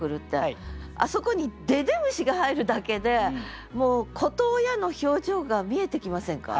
あそこに「ででむし」が入るだけでもう子と親の表情が見えてきませんか？